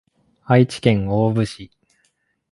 愛知県大府市